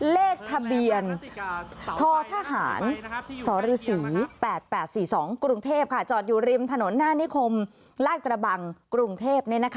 เลขทะเบียนททหารสฤ๘๘๔๒กรุงเทพจอดอยู่ริมถนนหน้านิคมลาดกระบังกรุงเทพ